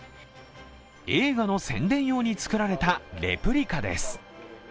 映画の宣伝用に作られたレプリカです。